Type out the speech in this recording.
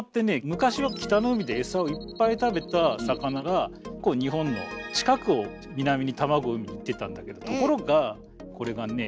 昔は北の海でエサをいっぱい食べた魚が日本の近くを南に卵を産みに行ってたんだけどところがこれがね